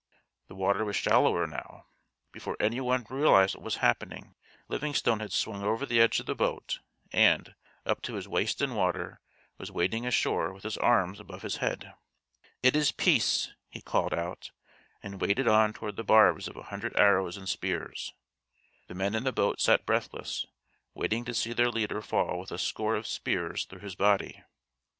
The water was shallower now. Before any one realised what was happening Livingstone had swung over the edge of the boat and, up to his waist in water, was wading ashore with his arms above his head. "It is peace!" he called out, and waded on toward the barbs of a hundred arrows and spears. The men in the boat sat breathless, waiting to see their leader fall with a score of spears through his body.